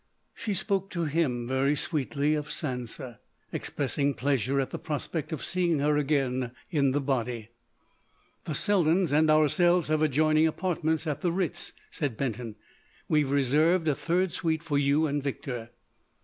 She spoke to him very sweetly of Sansa, expressing pleasure at the prospect of seeing her again in the body. "The Seldens and ourselves have adjoining apartments at the Ritz," said Benton. "We have reserved a third suite for you and Victor."